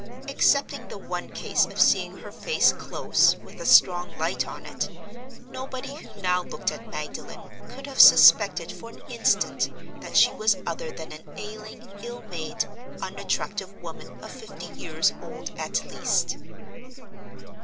Excepting the one case of seeing her face close, with a strong light on it, nobody who now looked at Magdalen could have suspected for an instant that she was other than an ailing, ill made, unattractive woman of fifty years old at least.